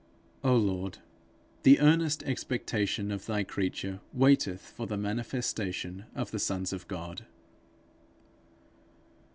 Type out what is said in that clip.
O Lord, the earnest expectation of thy creature waiteth for the manifestation of the sons of God.